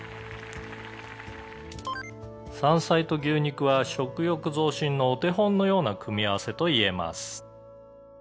「山菜と牛肉は食欲増進のお手本のような組み合わせといえます」